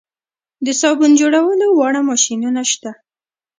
د صابون جوړولو واړه ماشینونه شته